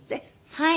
はい。